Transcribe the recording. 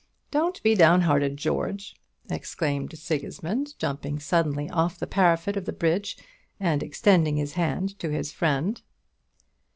Don't be downhearted, George," exclaimed Sigismund, jumping suddenly off the parapet of the bridge, and extending his hand to his friend.